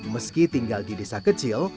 meski tinggal di desa kecil